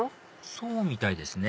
そうみたいですね